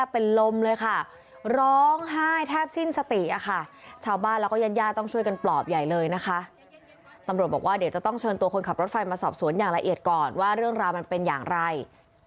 โปรดติดตามตอนต่อไป